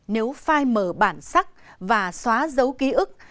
nếu phai mờ bản sắc và xóa dấu ký ức